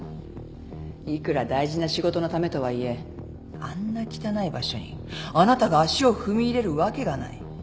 いくら大事な仕事のためとはいえあんな汚い場所にあなたが足を踏み入れるわけがない。